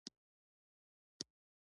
دوی اوس د هېواد بډایه او شتمن خلک دي